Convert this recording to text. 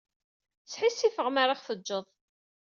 Sḥissifeɣ imi ara aɣ-tejjeḍ.